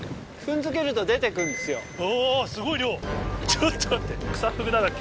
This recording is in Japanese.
ちょっと待って。